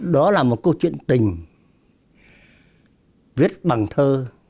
đó là một câu chuyện tình viết bằng thơ